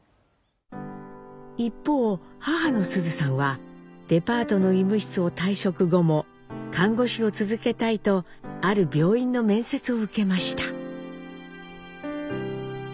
一方母の須壽さんはデパートの医務室を退職後も看護師を続けたいとある病院の面接を受けました。